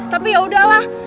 tapi ya udahlah